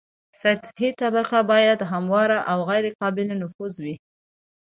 سطحي طبقه باید همواره او غیر قابل نفوذ وي